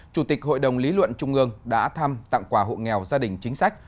chủ tịch hội đồng lý luận trung ương đã thăm tặng quà hộ nghèo gia đình chính sách